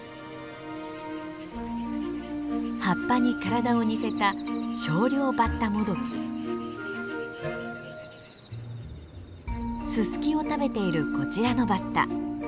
葉っぱに体を似せたススキを食べているこちらのバッタ。